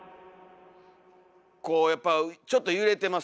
こうやっぱちょっと揺れてる。